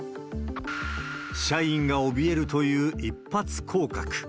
社員がおびえるという一発降格。